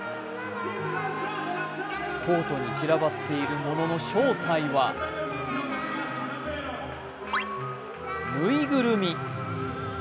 コートに散らばっているものの正体はぬいぐるみ。